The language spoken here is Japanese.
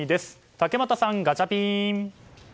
竹俣さん、ガチャピン！